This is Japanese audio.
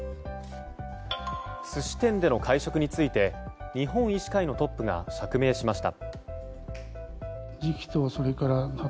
寿司店での会食について日本医師会のトップが釈明しました。